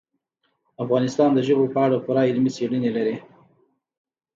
افغانستان د ژبو په اړه پوره علمي څېړنې لري.